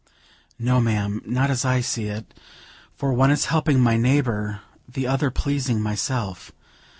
"No, ma'am, not as I see it, for one is helping my neighbor, the other pleasing myself.